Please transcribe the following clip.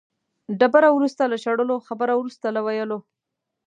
ډبره وروسته له شړلو، خبره وروسته له ویلو.